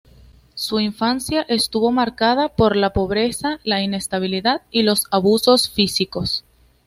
Su infancia estuvo marcada por la pobreza, la inestabilidad y los abusos físicos.